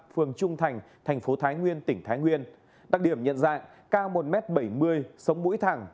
phường trung thành thành phố thái nguyên tỉnh thái nguyên đặc điểm nhận dạng cao một m bảy mươi sống mũi thẳng